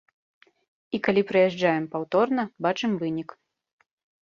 І калі прыязджаем паўторна, бачым вынік.